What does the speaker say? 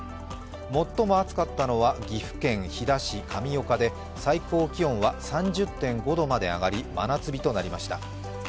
最も暑かったのは岐阜県飛騨市神岡で最高気温は３０．５度まで上がり真夏日となりました。